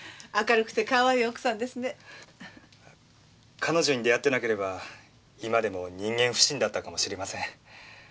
彼女に出会ってなければ今でも人間不信だったかもしれません。